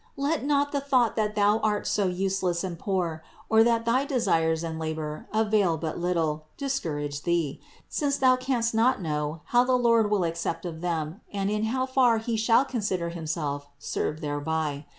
Let not the thought that thou art so useless and poor, or that thy desires and labor avail but little, dis courage thee; since thou canst not know how the Lord will accept of them and in how far He shall consider Himself served thereby.